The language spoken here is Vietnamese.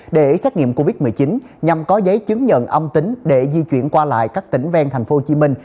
để xét nghiệm covid một mươi chín nhằm có giấy chứng nhận âm tính để di chuyển qua lại các tỉnh ven thành phố hồ chí minh